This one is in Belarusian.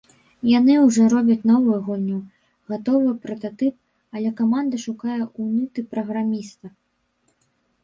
Яны ўжо робяць новую гульню — гатовы прататып, але каманда шукае Unity-праграміста.